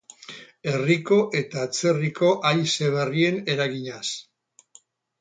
Herriko eta atzerriko haize berrien eraginaz.